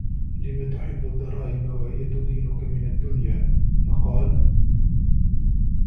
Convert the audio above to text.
لِمَ تُحِبُّ الدَّرَاهِمَ وَهِيَ تُدِينُك مِنْ الدُّنْيَا ؟ فَقَالَ